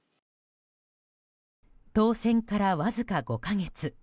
当選から、わずか５か月。